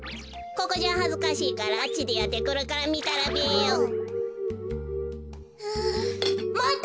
ここじゃはずかしいからあっちでやってくるからみたらべよ。